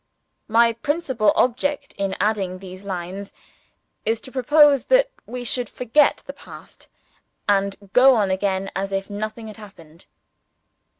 My principal object in adding these lines is to propose that we should forget the past, and go on again as if nothing had happened.